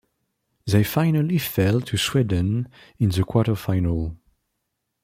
They finally fell to Sweden in the quarterfinals.